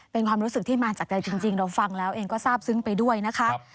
เป็นความรู้สึกที่มาจากใจจริงเราฟังแล้วเองก็ทราบซึ้งไปด้วยนะคะ